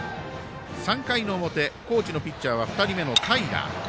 ３回の表、高知のピッチャーは２人目の平。